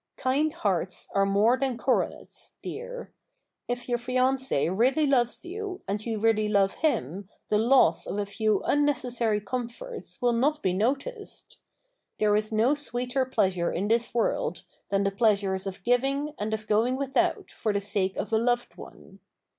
"Kind hearts are more than coronets," dear. If your fiance really loves you and you really love him the loss of a few unnecessary comforts will not be noticed. There is no sweeter pleasure in this world than the pleasures of giving and of going without for the sake of a loved one.